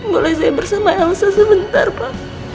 boleh saya bersama elsa sebentar pak